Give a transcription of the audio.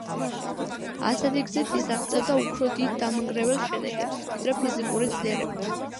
ასეთი გზით ის აღწევდა უფრო დიდ დამანგრეველ შედეგებს, ვიდრე ფიზიკური ძლიერებით.